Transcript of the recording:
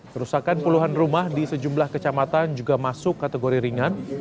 kerusakan puluhan rumah di sejumlah kecamatan juga masuk kategori ringan